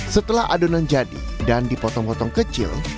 setelah adonan jadi dan dipotong potong kecil